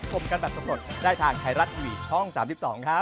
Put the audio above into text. โปรดติดตามตอนต่อไป